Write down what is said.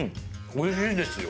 おいしいですよ！